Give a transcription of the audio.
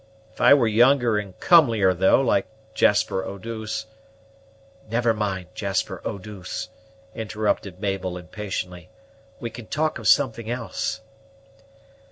If I were younger and comelier though, like Jasper Eau douce " "Never mind Jasper Eau douce," interrupted Mabel impatiently; "we can talk of something else."